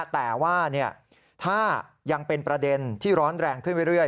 แต่ว่าถ้ายังเป็นประเด็นที่ร้อนแรงขึ้นเรื่อย